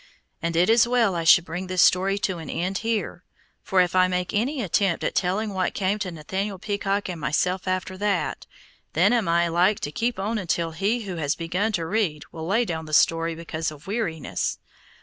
And it is well I should bring this story to an end here, for if I make any attempt at telling what came to Nathaniel Peacock and myself after that, then am I like to keep on until he who has begun to read will lay down the story because of weariness.